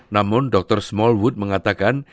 namun dr smallwood mengatakan